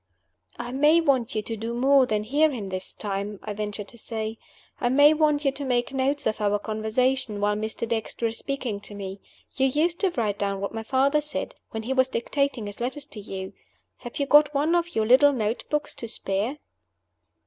"I may want you to do more than hear him this time," I ventured to say. "I may want you to make notes of our conversation while Mr. Dexter is speaking to me. You used to write down what my father said, when he was dictating his letters to you. Have you got one of your little note books to spare?"